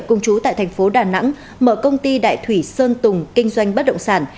cùng chú tại thành phố đà nẵng mở công ty đại thủy sơn tùng kinh doanh bất động sản